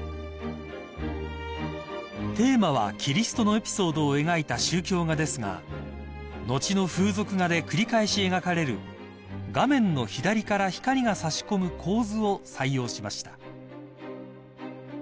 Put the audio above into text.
［テーマはキリストのエピソードを描いた宗教画ですが後の風俗画で繰り返し描かれる画面の左から光が差し込む構図を採用しました］